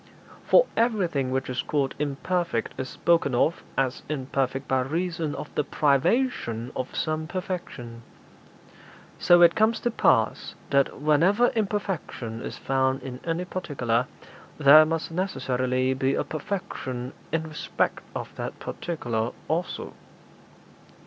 For everything which is called imperfect is spoken of as imperfect by reason of the privation of some perfection; so it comes to pass that, whenever imperfection is found in any particular, there must necessarily be a perfection in respect of that particular also.